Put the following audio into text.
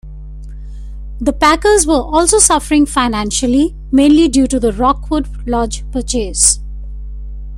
The Packers were also suffering financially, mainly due to the Rockwood Lodge purchase.